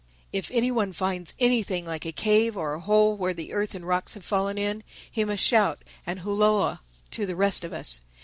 If anyone finds anything like a cave or a hole where the earth and rocks have fallen in, he must shout and hulloa to the rest of us.